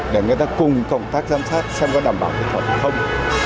để người ta cùng công tác giám sát xem có đảm bảo kỹ thuật hay không